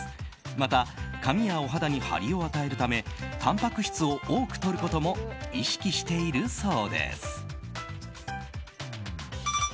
また髪やお肌にハリを与えるためたんぱく質を多く取ることも意識しているそうです。